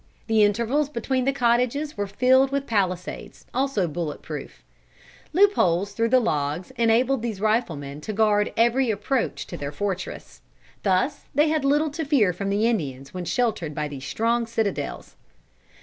The intervals between the cottages were filled with palisades, also bullet proof. Loop holes through the logs enabled these riflemen to guard every approach to their fortress. Thus they had little to fear from the Indians when sheltered by these strong citadels.